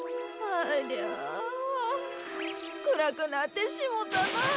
ありゃあくらくなってしもうたなあ。